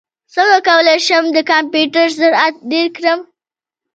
څنګه کولی شم د کمپیوټر سرعت ډېر کړم